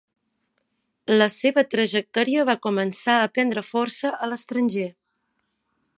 La seva trajectòria va començar a prendre força a l'estranger.